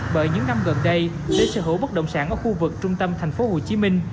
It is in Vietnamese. bởi những năm gần đây để sở hữu bất động sản ở khu vực trung tâm thành phố hồ chí minh